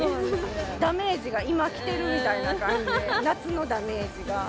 ダメージが今来てるみたいな感じで、夏のダメージが。